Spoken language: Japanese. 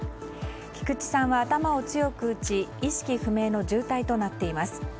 菊池さんは、頭を強く打ち意識不明の重体となっています。